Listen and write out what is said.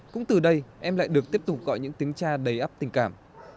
cũng từ đây em lại được tiếp tục gọi những tiếng cha đầy ấp tình cảm